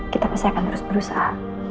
kita pasti akan terus berusaha